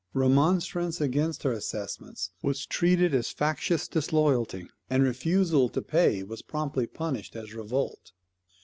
Remonstrance against her assessments was treated as factious disloyalty; and refusal to pay was promptly punished as revolt.